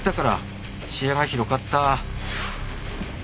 視野が広かった。